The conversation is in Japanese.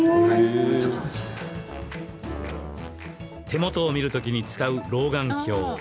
手元を見るときに使う老眼鏡。